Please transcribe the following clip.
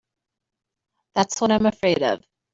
That's what I'm afraid of.